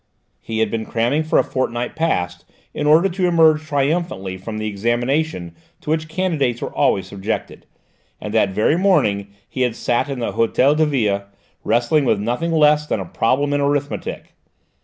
He had been cramming for a fortnight past, in order to emerge triumphantly from the examination to which candidates were always subjected, and that very morning he had sat in the Hôtel de Ville wrestling with nothing less than a problem in arithmetic.